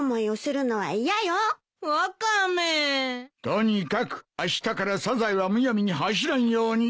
とにかくあしたからサザエはむやみに走らんように。